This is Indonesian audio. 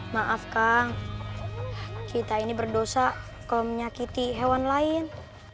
maaf kang kita ini berdosa kau menyakiti hewan lain